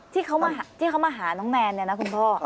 ที่เขามาหาน้องแมนเนี่ยนะคุณพ่อ